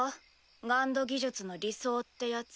ＧＵＮＤ技術の理想ってやつ。